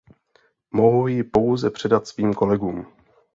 Mohu ji pouze předat svým kolegům.